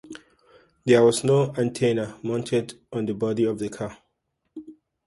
There was no antenna mounted on the body of the car.